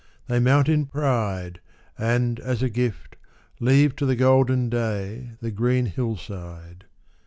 They mount in pride And as a gift, Leave to the golden day the green hill side.